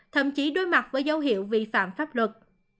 thậm chí đối mặt với dấu hiệu vi phạm pháp luật